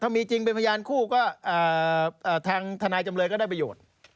มีจริงเป็นพยานคู่ก็ทางทนายจำเลยก็ได้ประโยชน์